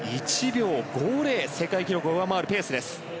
１秒５０世界記録を上回るペースです。